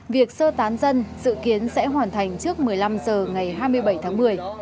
việc sơ tán dân dự kiến sẽ hoàn thành trước một mươi năm h ngày hai mươi bảy tháng một mươi